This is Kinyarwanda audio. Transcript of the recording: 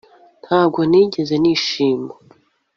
Ntabwo nigeze nishima